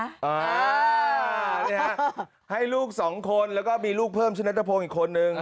นี่ฮะให้ลูกสองคนแล้วก็มีลูกเพิ่มชนะทะพงศ์อีกคนนึง